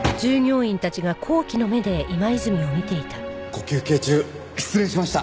ご休憩中失礼しました。